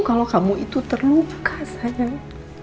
kalau kamu itu terluka sayang